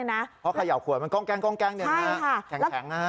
เพราะเขย่าขวดมันกล้องแข็งนะฮะ